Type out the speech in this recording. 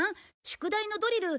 宿題のドリル